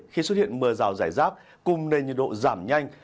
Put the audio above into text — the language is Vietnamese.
khi xuất hiện mưa rào rải rác cùng nền nhiệt độ giảm nhanh